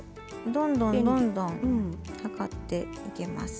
どんどんどんどん量っていけます。